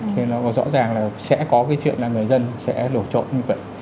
thì nó rõ ràng là sẽ có cái chuyện là người dân sẽ lột trộm như vậy